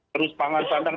terus pangan tandang